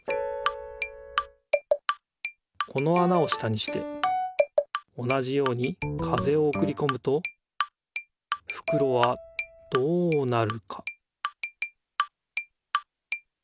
このあなを下にして同じように風をおくりこむとふくろはどうなるか？